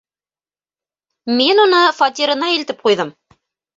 Мин уны фатирына илтеп ҡуйҙым.